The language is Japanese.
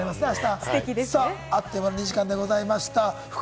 さぁ、あっという間の２時間でございました。